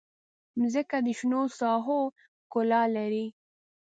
مځکه د شنو ساحو ښکلا لري.